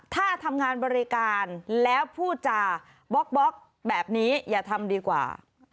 ถ้าทำงานบริการแล้วพูดจาบล็อกแบบนี้อย่าทำดีกว่า